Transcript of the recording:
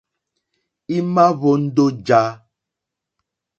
Í má ǃhwóndó ǃjá.